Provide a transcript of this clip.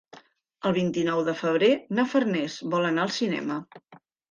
El vint-i-nou de febrer na Farners vol anar al cinema.